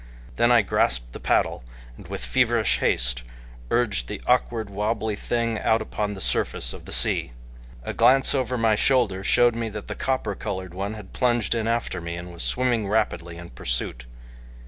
Then I grasped the paddle, and with feverish haste urged the awkward, wobbly thing out upon the surface of the sea. A glance over my shoulder showed me that the copper colored one had plunged in after me and was swimming rapidly in pursuit.